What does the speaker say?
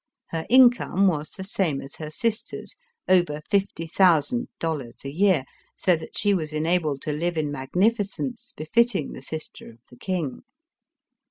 Her income was the same as her sister's — over fifty thousand dollars a year, so that she was enabled to live in magnificence befitting the sister of the king.